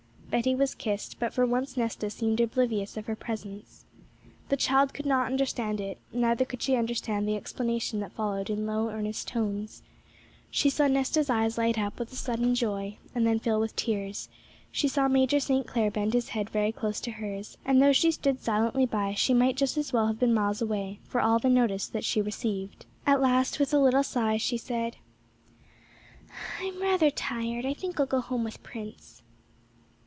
Betty was kissed, but for once Nesta seemed oblivious of her presence. The child could not understand it, neither could she understand the explanation that followed in low, earnest tones. She saw Nesta's eyes light up with a sudden joy, and then fill with tears; she saw Major St. Clair bend his head very close to hers, and though she stood silently by she might just as well have been miles away, for all the notice that she received. At last with a little sigh she said, 'I'm rather tired; I think I'll go home with Prince.'